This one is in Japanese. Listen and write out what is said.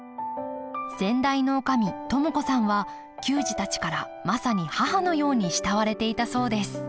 先代の女将智子さんは球児たちからまさに母のように慕われていたそうです